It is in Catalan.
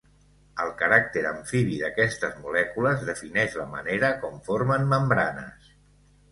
El caràcter amfibi d'aquestes molècules defineix la manera com formen membranes.